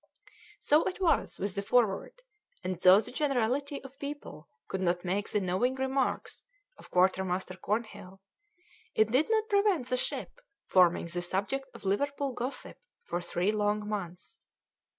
So it was with the Forward, and though the generality of people could not make the knowing remarks of Quartermaster Cornhill, it did not prevent the ship forming the subject of Liverpool gossip for three long months.